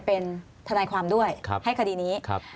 เป็นทนายความด้วยให้คดีนี้